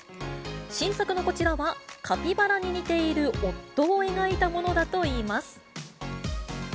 新作のこちらは、カピバラに似ている夫を描いたものだといいます。